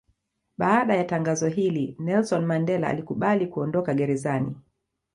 Baada ya tangazo hili Nelson Mandela alikubali kuondoka gerezani.